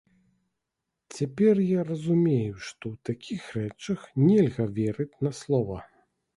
Цяпер я разумею, што ў такіх рэчах нельга верыць на слова.